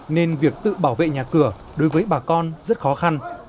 nên việc tự bảo vệ nhà cửa đối với bà con rất khó khăn